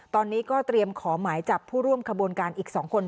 ตอนนี้ก็เตรียมขอหมายจับผู้ร่วมขบวนการอีก๒คน